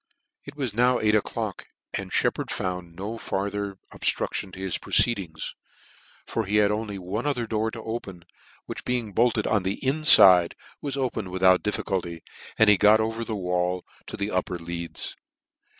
It was now eight o'clock, and Sheppard found no farther obilrudlion to his proceedings; for he had only one other door to open, which being bolted on the infide, was opened without diffi culty, and he got over a wall to the upper leads.